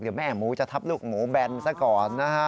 เดี๋ยวแม่หมูจะทับลูกหมูแบนซะก่อนนะฮะ